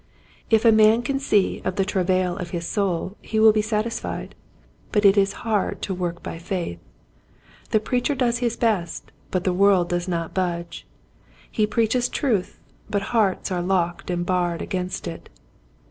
If a man can see of the travail of his soul he will be satisfied, but it is hard to work by faith. The preacher does his best but the world does not budge. He preaches truth but hearts are locked and barred against it.